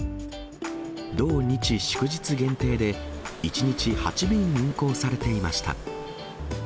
土日祝日限定で、１日８便運行されていました。